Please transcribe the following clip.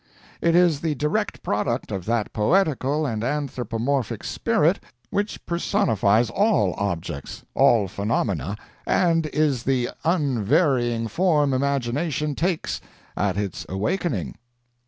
It is the direct product of that poetical and anthropomorphic spirit which personifies all objects, all phenomena, and is the unvarying form imagination takes at its awakening.